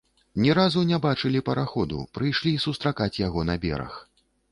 Ні разу не бачылі параходу, прыйшлі сустракаць яго на бераг.